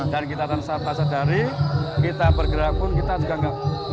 dan kita tak sadari kita bergerak pun kita juga gak